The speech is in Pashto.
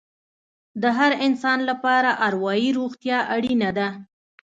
د هر انسان لپاره اروايي روغتیا اړینه ده.